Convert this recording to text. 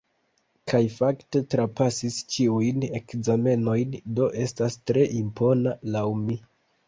Kaj fakte trapasis ĉiujn ekzamenojn, do estas tre impona laŭ mi.